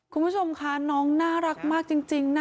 คุณผู้ชมค่ะน้องน่ารักมากจริงนะ